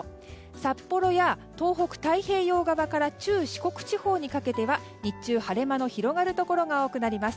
札幌や東北、太平洋側から中四国地方にかけては日中、晴れ間の広がるところが多くなります。